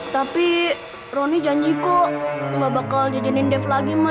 tapi roni janji kok gak bakal jajanin dev lagi mah